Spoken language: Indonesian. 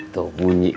tuh bunyi kom